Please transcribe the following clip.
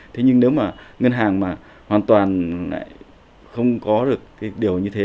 thế nhưng nếu mà ngân hàng mà hoàn toàn lại không có được cái điều như thế